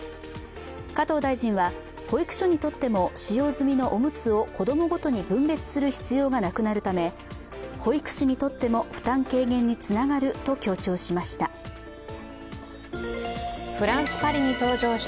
加藤大臣は保育所にとっても、使用済みのおむつを子供ごとに分別する必要がなくなるため、保育士にとっても負担軽減につながると強調しました。